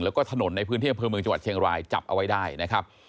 แล้วก็ถนนในพื้นที่อำเภอเมืองจังหวัดเชียงรายจับเอาไว้ได้นะครับ